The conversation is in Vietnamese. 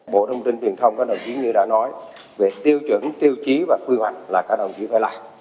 bộ thông tin truyền thông các đồng chí như đã nói về tiêu chuẩn tiêu chí và quy hoạch là các đồng chí phải làm